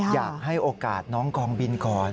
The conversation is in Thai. อยากให้โอกาสน้องกองบินก่อน